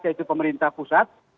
yaitu pemerintah pusat